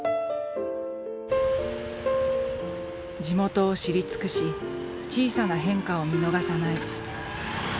地元を知り尽くし小さな変化を見逃さない。